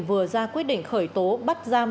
vừa ra quyết định khởi tố bắt giam